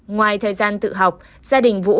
ngoài thời gian tự học gia đình vũ